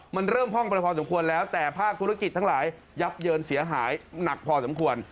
มันเริ่มห้องไปพอสมควรแล้วแต่ภาคธุรกิจทั้งหลายยับเยินเสียหายหนักพอสมควร